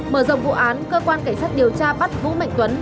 mở rộng vụ án cơ quan cảnh sát điều tra bắt vũ mạnh tuấn